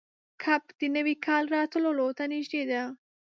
کب د نوي کال راتلو ته نږدې ده.